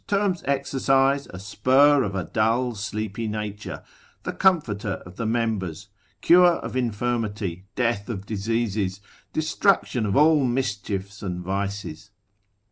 terms exercise, a spur of a dull, sleepy nature, the comforter of the members, cure of infirmity, death of diseases, destruction of all mischiefs and vices.